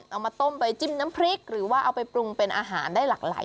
เอามาต้มไปจิ้มน้ำพริกหรือว่าเอาไปปรุงเป็นอาหารได้หลากหลาย